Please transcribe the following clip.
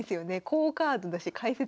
好カードだし解説